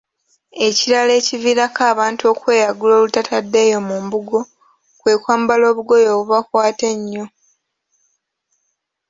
Ekirala ekiviirako abantu okweyagula olutatadde eyo mu mbugo, kwe kwambala obugoye obubakwata ennyo,